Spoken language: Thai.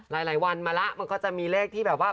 หลายวันมาแล้วมันก็จะมีเลขที่แบบว่า